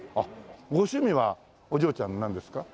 ご趣味はお嬢ちゃんなんですか？